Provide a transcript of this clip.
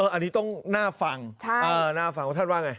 อันนี้ต้องน่าฟังน่าฟังว่าท่านว่าไง